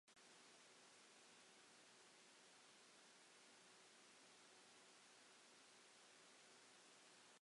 Maen nhw newydd ddarganfod cerfiadau allai fod yn ysgrifen.